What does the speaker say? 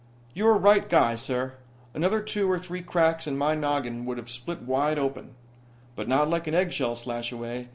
"You're a right guy, sir. Another two or three cracks and my noggin would've split wide open." "But not like an eggshell, Slashaway.